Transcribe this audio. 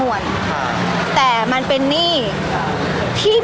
พี่ตอบได้แค่นี้จริงค่ะ